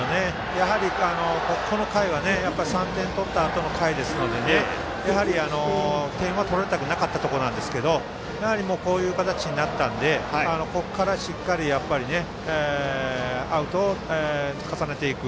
やはりこの回は３点取ったあとの回ですのでやはり、点は取られたくなかったところだったんですがこういう形になったんでこっから、しっかりアウトを重ねていく。